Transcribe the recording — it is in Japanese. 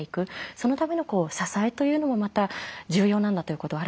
そのための支えというのもまた重要なんだということを改めて感じましたね。